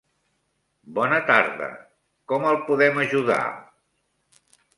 Bona tarda, com el podem ajudar?